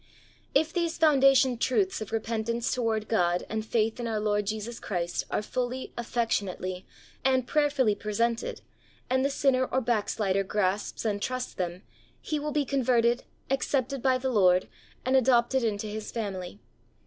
If these foundation truths of repentance toward God and faith in our Lord Jesus 112 THE soul winner's SECRET. Christ are fully, affectionately, and prayer fully presented, and the sinner or backslider grasps and trusts them, he will be converted, accepted by the Lord, and adopted into His family.